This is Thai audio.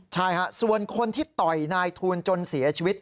ใช่ฮะส่วนคนที่ต่อยนายทูลจนเสียชีวิต